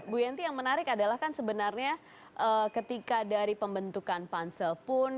bu yenti yang menarik adalah kan sebenarnya ketika dari pembentukan pansel pun